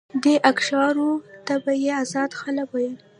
دې اقشارو ته به یې آزاد خلک ویل.